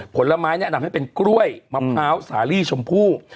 ผลไม้แนะนำให้เป็นกล้วยมะพร้าวสาลีชมพู่